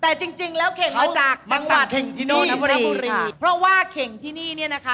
แต่จริงจริงแล้วเข่งมาจากจังหวัดนนทบุรีเพราะว่าเข่งที่นี่เนี่ยนะคะ